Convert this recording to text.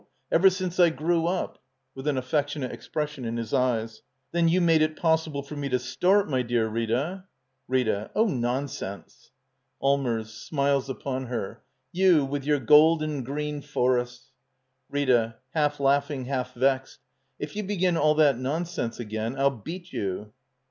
Ever since I grew up. [With an affectionate expression in his eyes.] Then you made it possible for me to start, my dear Rita — Rita. Oh, nonsense! Allmers. [Smiles upon her.] — You, with your gold and green forests —RrrA. [Half laughing, half vexed.] If you begin all that nonsense again, I'll beat you.